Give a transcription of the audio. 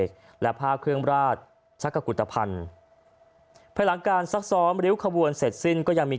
และผ้าเครื่องราชชักกุฏภัณฑ์ภายหลังการซักซ้อมริ้วขบวนเสร็จสิ้นก็ยังมี